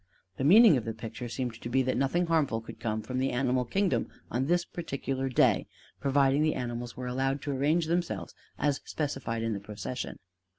The meaning of the picture seemed to be that nothing harmful could come from the animal kingdom on this particular day, providing the animals were allowed to arrange themselves as specified in the procession.